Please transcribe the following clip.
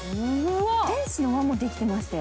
天使の輪もできていましたよ。